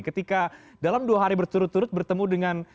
ketika dalam dua hari berturut turut bertemu dengan